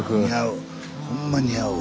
ほんま似合うわ。